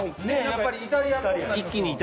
やっぱりイタリアっぽく。